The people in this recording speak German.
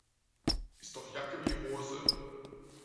Ist doch Jacke wie Hose.